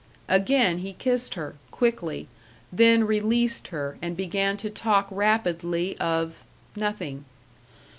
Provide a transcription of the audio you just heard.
Again he kissed her, quickly, then released her and began to talk rapidly of nothing.